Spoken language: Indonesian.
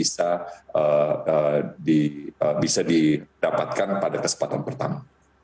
bisa didapatkan pada kesempatan pertama